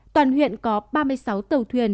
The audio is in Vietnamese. toàn huyện có ba mươi sáu tàu thuyền